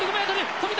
富田